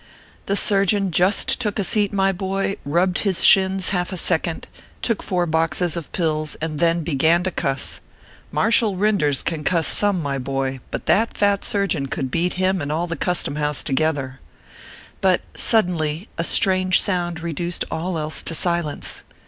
The surgeon just took a seat, my boy, rubbed his shins half a second, took four boxes of pills, and then began to cuss I Marshal Kynders can cuss some, my boy, but that fat surgeon could beat him and all the Custom House together. But suddenly a strange sound reduced all else to silence.